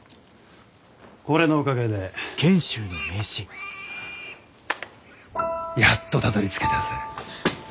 これのおかげでやっとたどりつけたぜ。